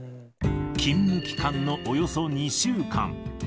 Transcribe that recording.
勤務期間のおよそ２週間。